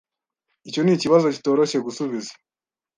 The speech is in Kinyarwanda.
Icyo nikibazo kitoroshye gusubiza.